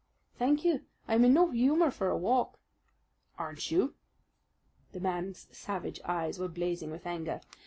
"Thank you, I am in no humour for a walk." "Aren't you?" The man's savage eyes were blazing with anger.